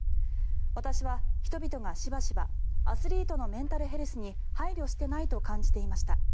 私は人々がしばしばアスリートのメンタルヘルスに配慮してないと感じていました。